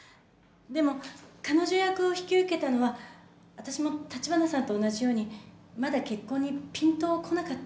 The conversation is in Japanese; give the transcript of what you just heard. でも彼女役を引き受けたのは私も立花さんと同じようにまだ結婚にぴんとこなかったからなんです。